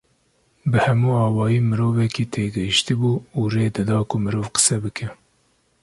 Bi hemû awayî mirovekî têgihiştî bû û rê dida ku mirov qise bike